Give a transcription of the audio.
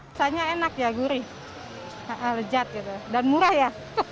rasanya enak ya gurih lezat gitu dan murah ya